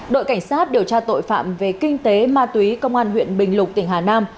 đội cảnh sát điều tra tội phạm về kinh tế ma túy công an huyện bình lục tỉnh hà nam